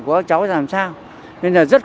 của các cháu làm sao nên là rất